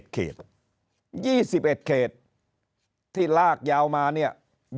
เขต๒๑เขตที่ลากยาวมาเนี่ย